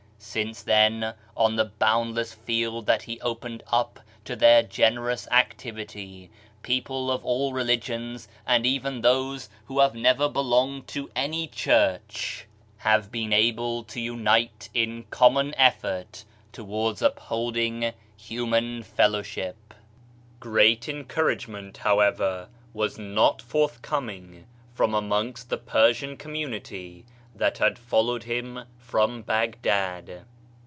Since then, on the boundless field that he opened up to their generous activity, people of all religions — and even those who have never belonged to any Church — have been able ADRIANOPLE 79 to unite in common effort towards upholding human fellowship. Great encouragement, however, was not forthcoming from amongst the Persian community that had followed him from Baghdad.